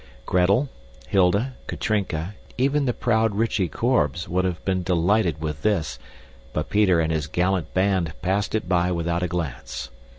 Gretel, Hilda, Katrinka, even the proud Rychie Korbes would have been delighted with this, but Peter and his gallant band passed it by without a glance.